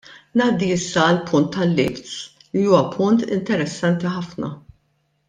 Ngħaddi issa għall-punt tal-lifts li huwa punt interessanti ħafna.